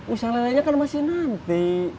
usah lele nya kan masih nanti